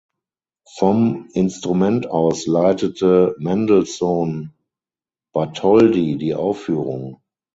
Vom Instrument aus leitete Mendelssohn Bartholdy die Aufführung.